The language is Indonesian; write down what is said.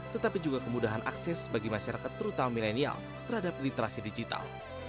tetapi juga kemudahan akses bagi masyarakat terutama milenial terhadap literasi digital